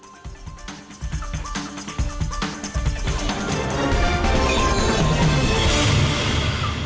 terima kasih pak